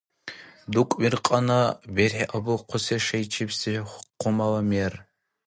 «ДукӀбиркьана» — БерхӀи абулхъуси шайчибси хъумала мер.